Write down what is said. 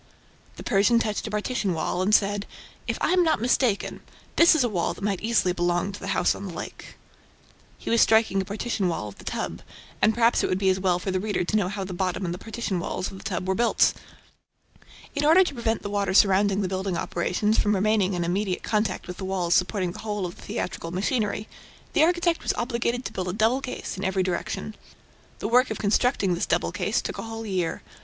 The Persian touched a partition wall and said: "If I am not mistaken, this is a wall that might easily belong to the house on the lake." He was striking a partition wall of the "tub," and perhaps it would be as well for the reader to know how the bottom and the partition walls of the tub were built. In order to prevent the water surrounding the building operations from remaining in immediate contact with the walls supporting the whole of the theatrical machinery, the architect was obliged to build a double case in every direction. The work of constructing this double case took a whole year.